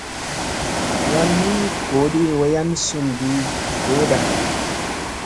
Wanni goodi wayan sundi gooda.